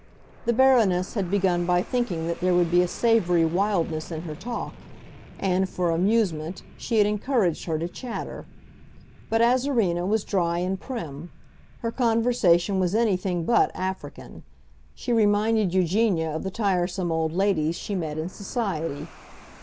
The Baroness had begun by thinking that there would be a savory wildness in her talk, and, for amusement, she had encouraged her to chatter. But Azarina was dry and prim; her conversation was anything but African; she reminded Eugenia of the tiresome old ladies she met in society.